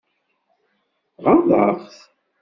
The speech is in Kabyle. Ɣaḍeɣ-t?